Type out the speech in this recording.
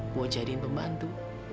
gua jadiin pembantu